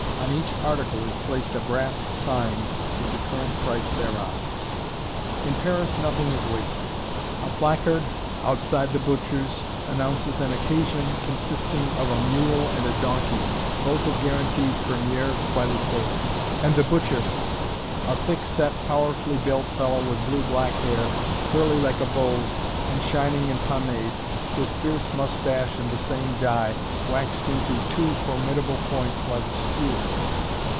On each article is placed a brass sign with the current price thereon. In Paris nothing is wasted. A placard outside the butcher's announces an "Occasion" consisting of a mule and a donkey, both of guaranteed "première qualité." And the butcher! A thick set, powerfully built fellow, with blue black hair, curly like a bull's and shining in pomade, with fierce mustache of the same dye, waxed to two formidable points like skewers.